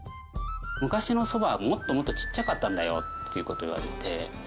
昔のそばはもっともっとちっちゃかったんだよっていう事を言われて。